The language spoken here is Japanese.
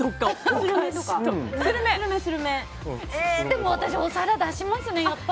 でも、私はお皿出しますね。